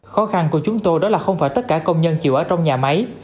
khó khăn của chúng tôi đó là không phải tất cả công nhân chịu ở trong nhà máy